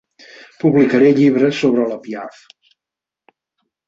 Publicaré llibres sobre la Piaff.